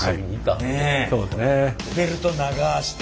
ベルト長ぁして。